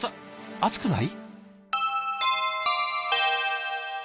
熱くない？